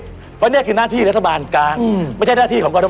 เพราะนี่คือหน้าที่รัฐบาลกลางไม่ใช่หน้าที่ของกรท